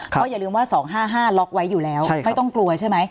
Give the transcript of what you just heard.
เพราะอย่าลืมว่า๒๕๕ล็อกไว้อยู่แล้วไม่ต้องกลัวใช่ไหม